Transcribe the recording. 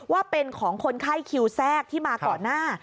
ว่าเป็นของคนไข้คิวแทรกที่มาก่อนหน้า